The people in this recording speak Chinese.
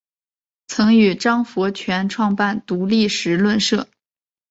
曾与张佛泉创办独立时论社。